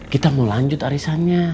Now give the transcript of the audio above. kita mau lanjut arisannya